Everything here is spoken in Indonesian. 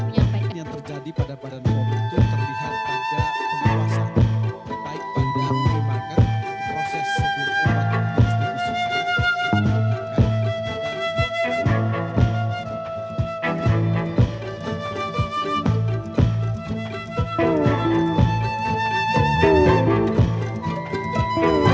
yang terjadi pada badan pemerintah terlihat pada penguasa